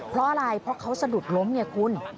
เพราะอะไรเพราะเขาสะดุดล้มไงคุณ